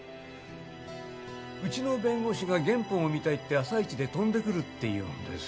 うちの弁護士が原本を見たいって朝一で飛んでくるっていうんですよ。